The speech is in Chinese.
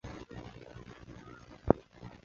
呈金黄色时即可捞出。